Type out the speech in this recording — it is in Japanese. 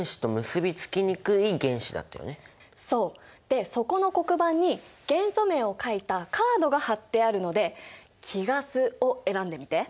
でそこの黒板に元素名を書いたカードが貼ってあるので貴ガスを選んでみて。